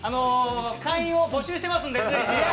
会員を募集していますので、随時。